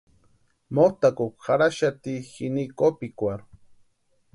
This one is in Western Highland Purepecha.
Motʼakukwa jarhaxati jini kopikwarhu.